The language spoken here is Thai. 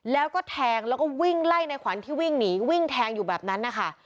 แล้วก็แทงแล้วก็วิ่งไล่ในขวัญที่วิ่งหนีวิ่งแทงอยู่แบบนั้นนะคะ